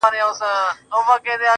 زما زنده گي وخوړه زې وخوړم